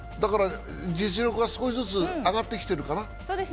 実力が少しずつ上がってきてるかな？